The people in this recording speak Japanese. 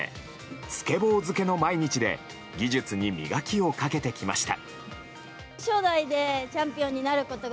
スケボー漬けの毎日で技術に磨きをかけてきました。